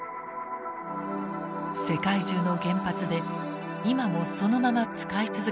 世界中の原発で今もそのまま使い続けられています。